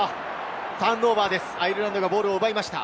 ターンオーバー、アイルランドがボールを奪いました。